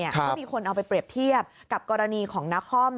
ก็มีคนเอาไปเปรียบเทียบกับกรณีของนคร